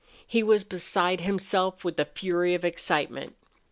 He was beside himself with a fury of excitement.